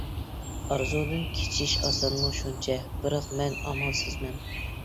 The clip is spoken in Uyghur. ئارزۇدىن كېچىش ئاسانمۇ شۇنچە. بىراق مەن ئامالسىزمەن.